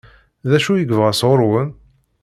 D acu i yebɣa sɣur-wen?